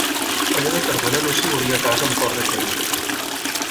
Allò de Cardona no s'hi veuria pas amb cor de fer-ho.